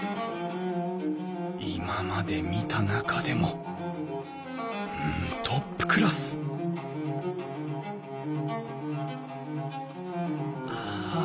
今まで見た中でもうんトップクラスああ